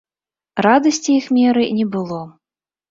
Радасці іх меры не было.